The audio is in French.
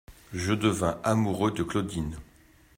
Je devins amoureux de Claudine.